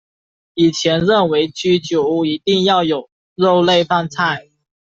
以前认为居酒屋一定要有肉类饭菜。